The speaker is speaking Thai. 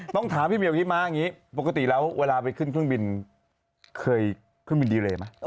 ต้องถามพี่เหี่ยวพี่ม้าอย่างนี้ปกติแล้วเวลาไปขึ้นเครื่องบินเคยเครื่องบินดีเลยไหม